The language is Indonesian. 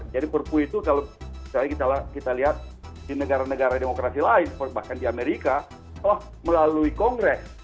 jadi perpu itu kalau misalnya kita lihat di negara negara demokrasi lain bahkan di amerika melalui kongres